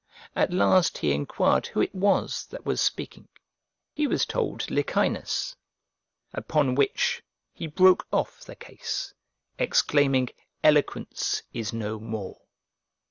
At last he enquired who it was that was speaking? He was told, Licinus. Upon which, he broke off the case, exclaiming, 'Eloquence is no more!'"